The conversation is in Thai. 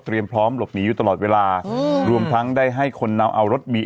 พร้อมหลบหนีอยู่ตลอดเวลาอืมรวมทั้งได้ให้คนนำเอารถมี